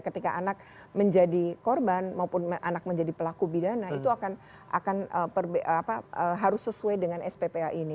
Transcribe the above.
ketika anak menjadi korban maupun anak menjadi pelaku bidana itu akan harus sesuai dengan sppa ini